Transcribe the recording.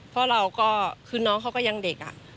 เพราะเราก็คือน้องเขาก็ยังเด็ก